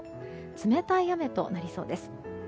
冷たい雨となりそうです。